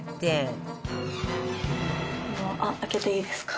開けていいですか？